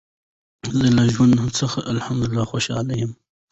زه له ژوند څخه الحمدلله خوشحاله یم.